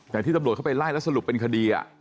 แต่ที่ตำรวจเข้าไปไล่แล้วสรุปเป็นคดี